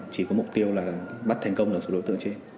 chỉ có mục tiêu là bắt thành công được số đối tượng trên